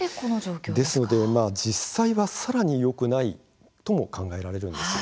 ですので実際はさらによくないと考えられるんです。